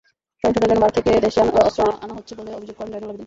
সহিংসতার জন্য ভারত থেকে দেশে অস্ত্র আনা হচ্ছে বলে অভিযোগ করেন জয়নুল আবদিন।